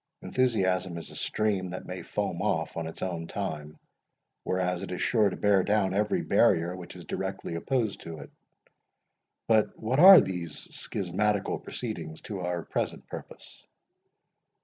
Enthusiasm is a stream that may foam off in its own time, whereas it is sure to bear down every barrier which is directly opposed to it.—But what are these schismatical proceedings to our present purpose?"